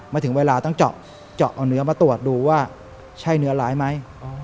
มาถึงเวลาต้องเจาะเอาเนื้อมาตรวจดูว่าใช่เนื้อร้ายไหม